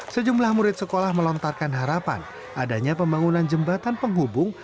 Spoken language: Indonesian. sejumlah murid sekolah melontarkan harapan adanya pembangunan jembatan penghubung